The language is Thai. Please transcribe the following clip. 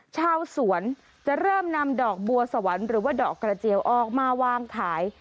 ชาวสวนจะเริ่มนำดอกบัวสวรรค์หรือว่าดอกกระเจียวออกมาวางขาย